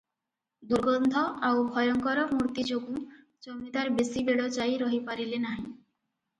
ଦୁର୍ଗନ୍ଧ ଆଉ ଭୟଙ୍କର ମୂର୍ତ୍ତି ଯୋଗୁଁ ଜମିଦାର ବେଶି ବେଳ ଯାଇ ରହିପାରିଲେ ନାହିଁ ।